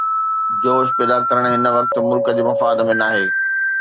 جوش پيدا ڪرڻ هن وقت ملڪ جي مفاد ۾ ناهي.